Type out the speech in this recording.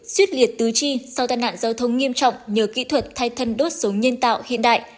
quyết liệt tứ chi sau tai nạn giao thông nghiêm trọng nhờ kỹ thuật thay thân đốt số nhân tạo hiện đại